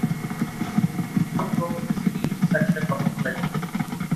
One row is in each section of the plane.